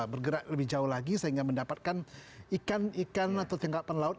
bergerak lebih jauh lagi sehingga mendapatkan ikan ikan atau tingkapan laut